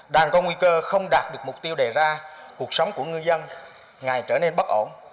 đang có nguy cơ không đạt được mục tiêu đề ra cuộc sống của ngư dân ngày trở nên bất ổn